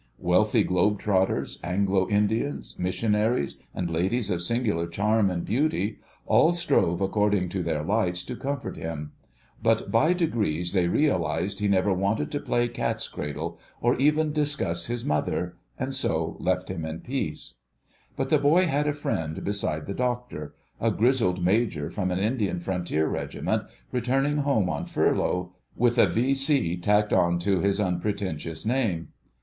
Wealthy globe trotters, Anglo Indians, missionaries, and ladies of singular charm and beauty, all strove according to their lights to comfort him. But by degrees they realised he never wanted to play cat's cradle or even discuss his mother, and so left him in peace. But the boy had a friend beside the doctor, a grizzled major from an Indian Frontier regiment, returning home on furlough with a V.C. tacked on to his unpretentious name.